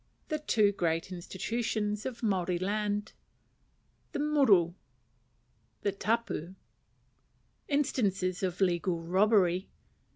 The two great Institutions of Maori Land. The Muru. The Tapu. Instances of Legal Robbery.